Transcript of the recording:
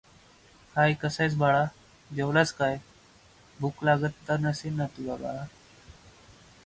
निवृत्तीनाथ हे ज्ञानेश्वरांचे थोरले बंधू.